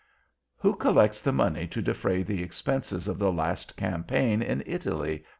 "Who collects the money to defray the expenses of the last campaign in Italy?"